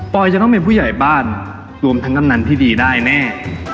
จะต้องเป็นผู้ใหญ่บ้านรวมทั้งกำนันที่ดีได้แน่